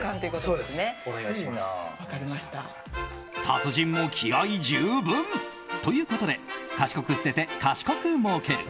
達人も気合十分ということで賢く捨てて、賢くもうける。